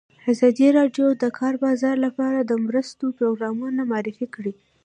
ازادي راډیو د د کار بازار لپاره د مرستو پروګرامونه معرفي کړي.